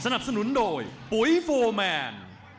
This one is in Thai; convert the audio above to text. สนับสนุนโดยปุ๊ยโฟร์แมน